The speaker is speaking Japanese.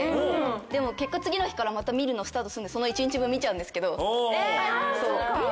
でも結果次の日からまた見るのスタートするんでその１日分見ちゃうんですけど。